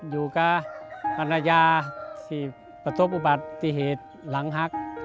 อยู่กับพระนัยีทฤษฐิเทศหลังฮักษ์